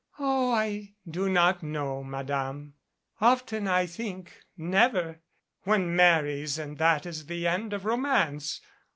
"Oh, I do not know, Madame. Often I think never. One marries and that is the end of romance.